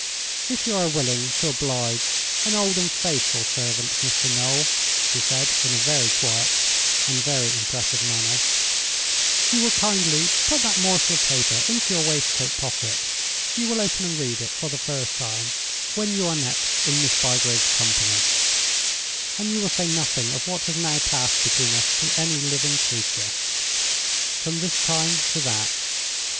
"If you are willing to oblige an old and faithful servant, Mr. Noel," she said, in a very quiet and very impressive manner, "you will kindly put that morsel of paper into your waistcoat pocket; you will open and read it, for the first time, when you are next in Miss Bygrave's company, and you will say nothing of what has now passed between us to any living creature, from this time to that.